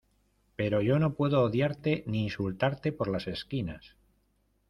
pero yo no puedo odiarte ni insultarte por las esquinas